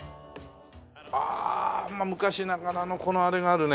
ああ昔ながらのあれがあるね。